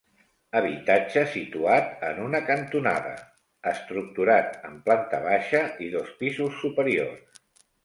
Habitatge situat en una cantonada estructurat en planta baixa i dos pisos superiors.